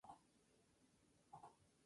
Sea una función de hash, y sea un entero fijo.